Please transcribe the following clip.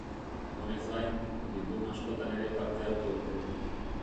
Honez gain, bilduma askotan ere parte hartu dute.